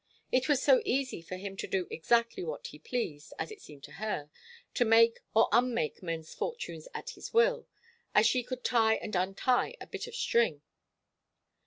It was so easy for him to do exactly what he pleased, as it seemed to her, to make or unmake men's fortunes at his will, as she could tie and untie a bit of string.